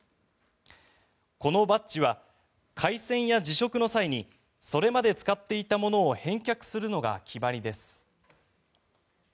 このバッジは改選や辞職の際にそれまで使っていたものを返却するのが決まりです。